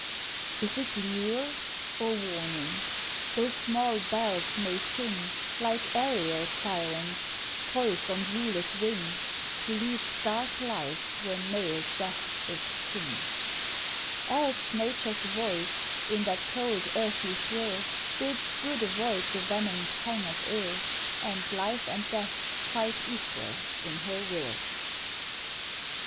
Is 't lure, or warning? Those small bells may sing Like Ariel sirens, poised on viewless wing, To lead stark life where mailed death is king; Else nature's voice, in that cold, earthy thrill, Bids good avoid the venomed fang of ill, And life and death fight equal in her will.